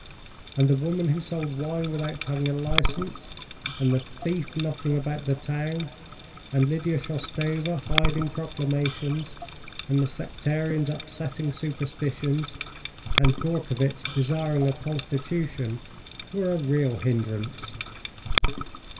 And the woman who sold wine without having a license, and the thief knocking about the town, and Lydia Shoustova hiding proclamations, and the sectarians upsetting superstitions, and Gourkevitch desiring a constitution, were a real hindrance.